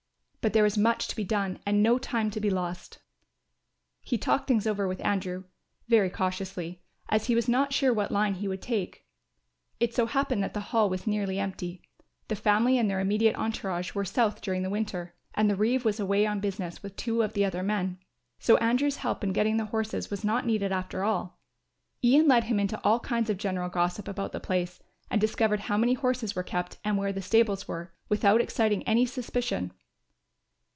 But there was much to be done and no time to be lost. He talked things over with Andrew, very cautiously, as he was not sure what line he would take. It so happened that the Hall was nearly empty; the family and their immediate entourage were South during the winter and the reeve was away on business with two of the other men; so Andrew's help in getting the horses was not needed after all. Ian led him into all kinds of general gossip about the place and discovered how many horses were kept and where the stables were, without exciting any suspicion.